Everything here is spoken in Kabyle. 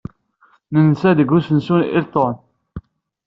Nensa deg usensu n Hilton.